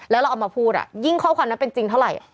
แล้วเราเอามาพูดยิ่งข้อความนั้นเป็นจริงเท่าไหร่